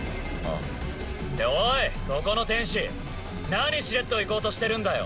っておいそこの天使何しれっと行こうとしてるんだよ